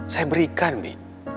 saya berikan bibi